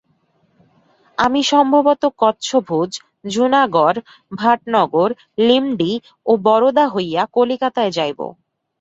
আমি সম্ভবত কচ্ছভুজ, জুনাগড়, ভাটনগর, লিমডি ও বরোদা হইয়া কলিকাতায় যাইব।